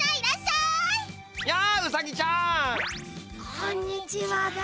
こんにちはだ。